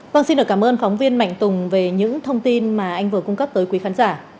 vâng xin được cảm ơn phóng viên mạnh tùng về những thông tin mà anh vừa cung cấp tới quý khán giả